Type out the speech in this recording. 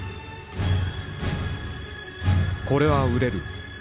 「これは売れる」。